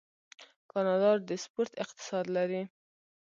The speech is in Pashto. کاناډا د سپورت اقتصاد لري.